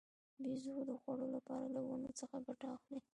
بیزو د خوړو لپاره له ونو څخه ګټه اخلي.